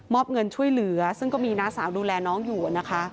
มอบเงินช่วยเหลือซึ่งมีนาสาวดูแลน้องอยู่